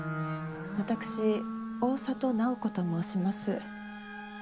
私大郷楠宝子と申します。